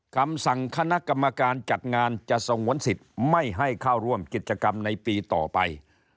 คำสั่งคณะกรรมการจัดงานจะสงวนสิทธิ์ไม่ให้เข้าร่วมกิจกรรมในปีต่อไป